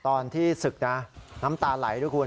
ตอนที่ศึกนะน้ำตาไหลด้วยคุณ